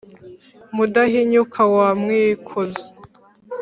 Mudahinyuka wa Mwikozi,